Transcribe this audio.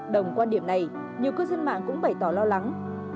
đồng quan điểm này nhiều cư dân mạng cũng bày tỏ lo lắng